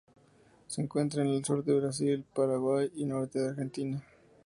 Se encuentra en el sur de Brasil, Paraguay y norte de Argentina.